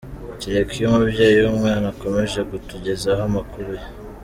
Kereka iyo umubyeyi w’umwana akomeje kutugezaho amakuru ye.